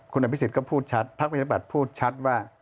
คุณอับพิศิษฐ์ก็พูดชัดพระบริษัทบัตรพูดชัดว่า